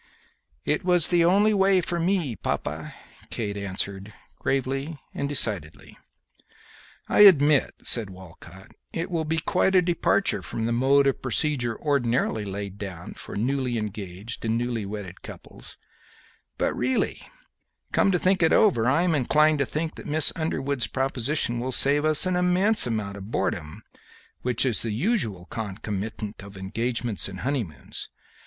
"It was the only way for me, papa," Kate answered, gravely and decidedly. "I admit," said Walcott, "it will be quite a departure from the mode of procedure ordinarily laid down for newly engaged and newly wedded couples; but really, come to think it over, I am inclined to think that Miss Underwood's proposition will save us an immense amount of boredom which is the usual concomitant of engagements and honeymoons.